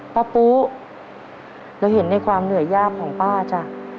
ปุ๊เราเห็นในความเหนื่อยยากของป้าจ้ะ